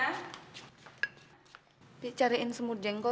tapi aku semur jengkol